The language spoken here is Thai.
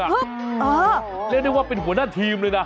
เรียกได้ว่าเป็นหัวหน้าทีมเลยนะ